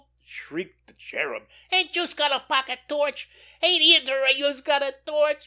shrieked the Cherub. "Ain't youse got a pocket torch? Ain't either of youse got a torch?